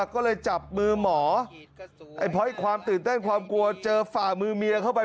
ก็เลยจับมือหมอเพราะความตื่นเต้นความกลัวเจอฝ่ามือเมียเข้าไป